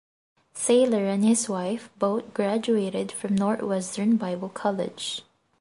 Sailer and his wife both graduated from Northwestern Bible College.